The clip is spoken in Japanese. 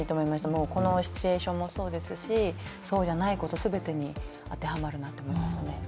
もうこのシチュエーションもそうですしそうじゃないこと全てに当てはまるなって思いましたね。